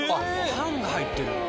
パンが入ってるんだ。